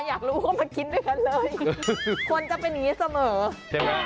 อยากรู้ก็มากินด้วยกันเลยควรจะเป็นอย่างนี้เสมอใช่ไหม